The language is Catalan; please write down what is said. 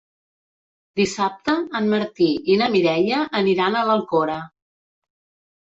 Dissabte en Martí i na Mireia aniran a l'Alcora.